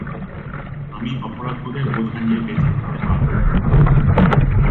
আমি অপরাধবোধের বোঁঝা নিয়ে বেঁচে থাকতে পারব না।